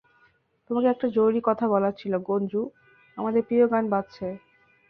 তোমাকে একটা জরুরি কথা বলার ছিল গুঞ্জু, আমাদের প্রিয় গান বাজছে।